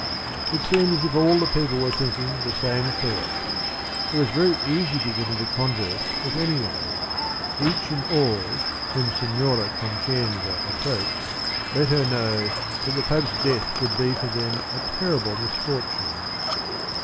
It seemed as if all the people were thinking the same thoughts. It was very easy to get into converse with any one. Each and all whom Signora Concenza approached let her know that the Pope's death would be for them a terrible misfortune.